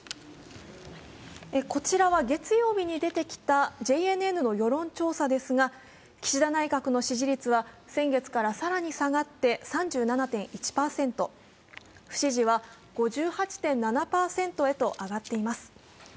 こちらは月曜日に出てきたＪＮＮの世論調査ですが、岸田内閣の支持率は先月から更に下がって３７．１％、不支持は５８．７％へと上がっています。